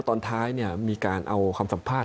ตอนท้ายเนี่ยมีการเอาความสัมภาษณ์